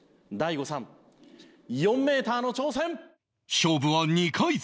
勝負は２回戦